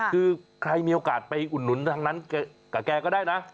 คือใครมีโอกาสไปอุดหนุนทางนั้นกับแกก็ได้นะ